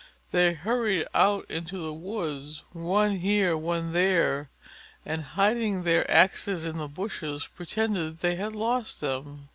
They hurried out into the woods, one here, one there, and hiding their axes in the bushes, pretended they had lost them.